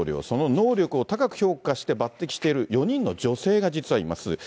その能力を高く評価して抜てきしている４人の女性が実はいます。